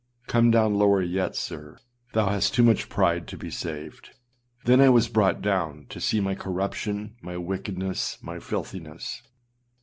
âCome down lower yet, sir! thou hast too much pride to be saved. Then I was brought down to see my corruption, my wickedness, my filthiness.